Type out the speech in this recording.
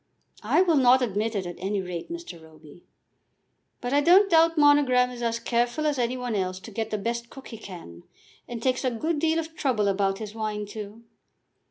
"I will not admit it, at any rate, Mr. Roby." "But I don't doubt Monogram is as careful as any one else to get the best cook he can, and takes a good deal of trouble about his wine too.